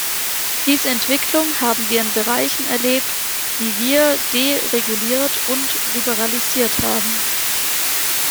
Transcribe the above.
Diese Entwicklung haben wir in Bereichen erlebt, die wir dereguliert und liberalisiert haben.